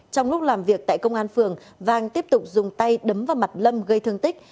trong lúc làm việc tại công an phường vang tiếp tục dùng tay đấm vào mặt lâm gây thương tích